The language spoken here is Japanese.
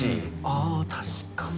ああ確かに。